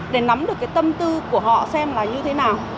để nắm được cái tâm tư của họ xem là như thế nào